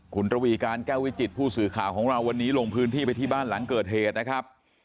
คุณระวีการแก้ววิจิตผู้สื่อข่าวของเราวันนี้ลงพื้นที่ไปที่บ้านหลังเกิดเหตุนะครับ